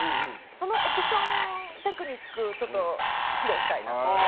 そのオプションテクニックをちょっと披露したいな。